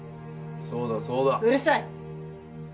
そうだそうだうるさいッ